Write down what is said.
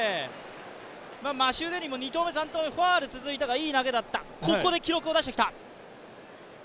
マシュー・デニーも２投目、３投目でファウルを続けたが、いい投げだった、ここで記録を出してきた。